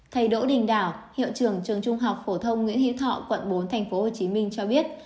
thầy đỗ đình đảo hiệu trưởng trường trung học phổ thông nguyễn hiếu thọ quận bốn tp hcm cho biết